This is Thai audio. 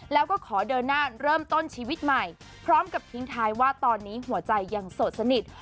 แล้วก็ขอเดินหน้าเริ่มต้นชีวิตใหม่พร้อมกับทิ้งท้ายว่าตอนนี้หัวใจยังโสดสนิท